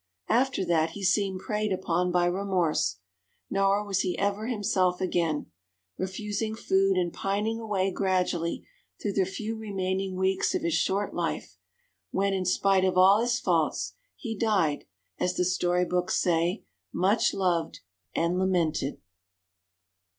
After that he seemed preyed upon by remorse, nor was he ever himself again, refusing food and pining away gradually through the few remaining weeks of his short life, when, in spite of all his faults, he died, as the storybooks say, much loved and lamented.